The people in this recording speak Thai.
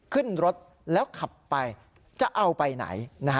ขึ้นรถแล้วขับไปจะเอาไปไหน